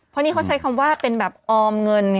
เพราะนี่เขาใช้คำว่าเป็นแบบออมเงิน